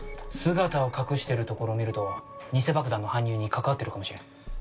姿を隠してるところを見ると偽爆弾の搬入に関わってるかもしれん。